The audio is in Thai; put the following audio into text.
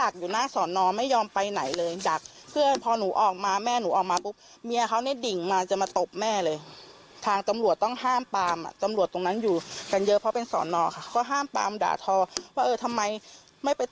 กลับขี่รถตาม